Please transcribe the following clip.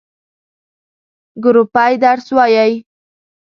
ګروپی درس وایی؟